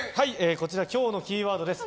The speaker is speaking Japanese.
こちら、今日のキーワードです。